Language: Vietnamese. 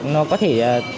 nó có thể